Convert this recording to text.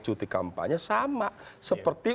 cuti kampanye sama seperti